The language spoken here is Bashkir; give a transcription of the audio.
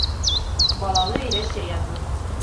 Балалы өйҙә сер ятмаҫ.